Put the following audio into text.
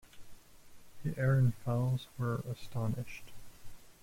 The Ehrenfels were astonished.